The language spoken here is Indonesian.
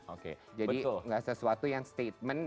oke betul jadi enggak sesuatu yang statement